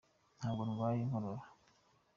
Ntabwo ndwaye inkorora.